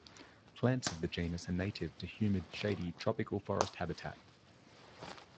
Plants of the genus are native to humid, shady tropical forest habitat.